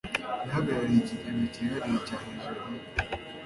ihagarariye Ikigega Cyihariye cya Nijeriya